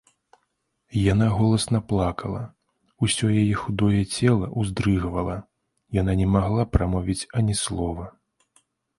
Яна голасна плакала, усё яе худое цела ўздрыгвала, яна не магла прамовіць ані слова.